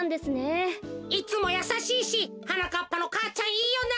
いつもやさしいしはなかっぱの母ちゃんいいよな。